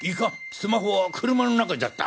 スマホは車の中じゃった。